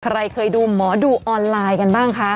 ใครเคยดูหมอดูออนไลน์กันบ้างคะ